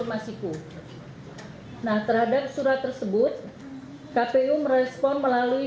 masiku nah terhadap surat tersebut kpu merespon melalui